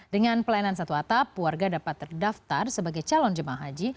dengan pelayanan satu atap warga dapat terdaftar sebagai calon jemaah haji